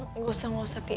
gak usah nggak usah pi